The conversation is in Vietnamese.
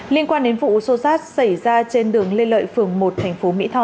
liên quan đến vụ xô xát xảy ra trên đường lê lợi phường một thành phố mỹ tho